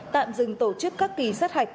tạm dừng tổ chức các kỳ sát hạch